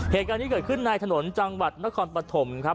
เหตุการณ์นี้เกิดขึ้นในถนนจังหวัดนครปฐมครับ